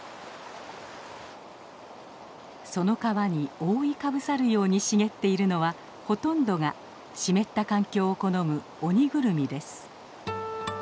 その川に覆いかぶさるように茂っているのはほとんどが湿った環境を好むオニグルミです。